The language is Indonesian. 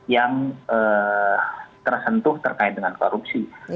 yang tersentuh terkait dengan korupsi